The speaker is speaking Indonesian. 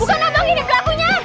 bukan abang ini pelakunya